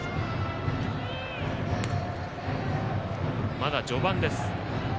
まだ序盤です。